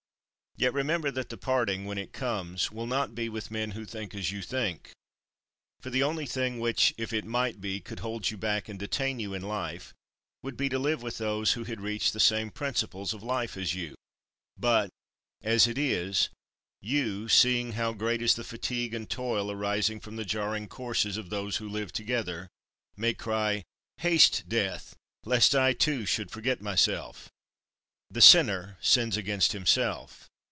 Yet remember that the parting, when it comes, will not be with men who think as you think. For the only thing which, if it might be, could hold you back and detain you in life, would be to live with those who had reached the same principles of life as you. But, as it is, you, seeing how great is the fatigue and toil arising from the jarring courses of those who live together, may cry: "Haste, death! lest I, too, should forget myself." 4. The sinner sins against himself.